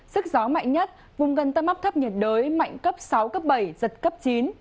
sức gió mạnh nhất vùng gần tâm áp thấp nhiệt đới mạnh cấp sáu giật cấp chín